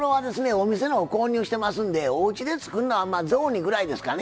お店のを購入してますのでおうちで作るのは雑煮ぐらいですかね。